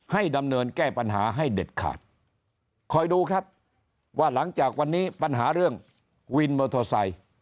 ให้ดำเนินแก้ปัญหาให้เด็ดขาดคอยดูครับว่าหลังจากวันนี้ปัญหาเรื่องวินมอเตอร์ไซค์